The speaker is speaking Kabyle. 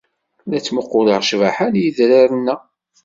La ttmuqquleɣ ccbaḥa n yedraren-a.